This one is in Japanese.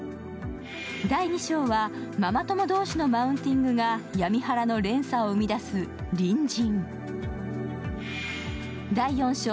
第２章はママ友同士のマウンティングが闇ハラの連鎖を生み出す「隣人」。